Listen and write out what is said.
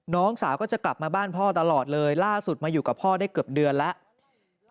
น้องสาวก็จะกลับมาบ้านพ่อตลอดเลยล่าสุดมาอยู่กับพ่อได้เกือบเดือนแล้ว